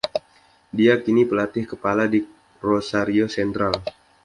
Dia kini pelatih kepala di Rosario Central.